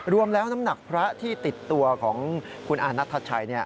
รวมแล้วน้ำหนักพระที่ติดตัวของคุณอานัทชัย